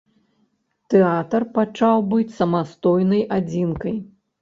Тэатр пачаў быць самастойнай адзінкай.